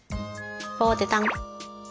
ぽてたん。